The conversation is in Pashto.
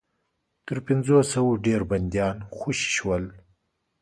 تر پنځوسو ډېر بنديان خوشي شول.